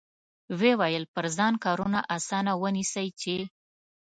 وویل پر ځان کارونه اسانه ونیسئ چې.